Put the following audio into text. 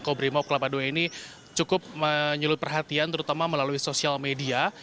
makobrimob ke delapan puluh dua ini cukup menyulut perhatian terutama melalui sosial media